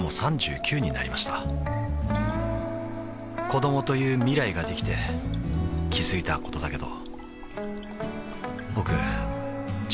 子どもという未来ができて気づいたことだけど